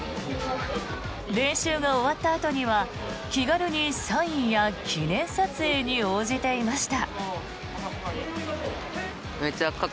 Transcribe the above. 練習が終わったあとには気軽にサインや記念撮影に応じていました。